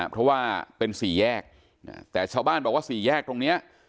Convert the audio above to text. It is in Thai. เพราะว่าเป็นสี่แยกแต่ชาวบ้านบอกว่าสี่แยกตรงนี้